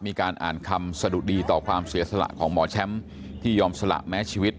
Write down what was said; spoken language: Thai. มีการอ่านคำสะดุดีต่อความเสียสละของหมอแชมป์ที่ยอมสละแม้ชีวิต